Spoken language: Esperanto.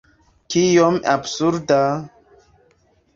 Kiom absurda!